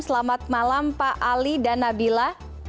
selamat malam pak ali dan nabila